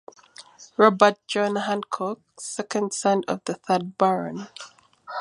Robert John Handcock, second son of the third Baron.